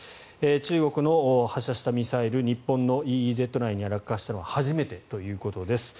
中国の発射したミサイル日本のＥＥＺ内に落下したのは初めてということです。